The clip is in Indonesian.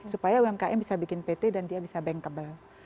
supaya umkm bisa bikin pt dan dia bisa bankable